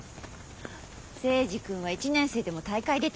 征二君は１年生でも大会出てる。